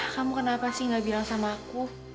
kamu kenapa sih gak bilang sama aku